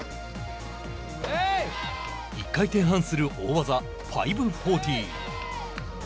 １回転半する大技５４０。